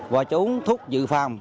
và cho uống thuốc dự phạm